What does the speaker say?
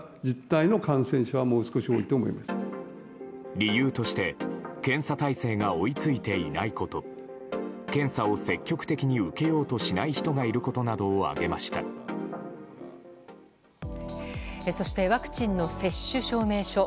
理由として検査態勢が追い付いていないこと検査を積極的に受けようとしない人がそして、ワクチンの接種証明書。